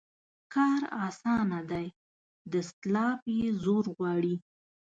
کار اسانه دى ، دسلاپ يې زور غواړي.